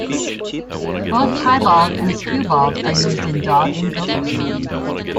Both "piebald" and "skewbald" are used in dog and goat breeding.